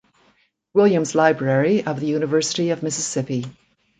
Williams Library of the University of Mississippi.